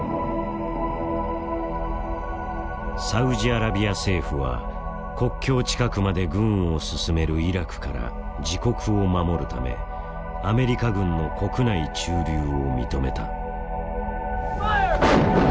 サウジアラビア政府は国境近くまで軍を進めるイラクから自国を守るためアメリカ軍の国内駐留を認めた。